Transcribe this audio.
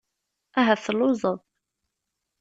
Ahat telluẓeḍ.